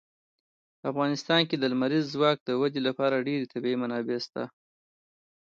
په افغانستان کې د لمریز ځواک د ودې لپاره ډېرې طبیعي منابع شته دي.